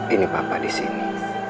ini papa disini